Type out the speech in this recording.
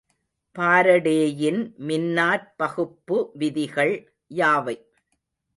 பாரடேயின் மின்னாற்பகுப்பு விதிகள் யாவை?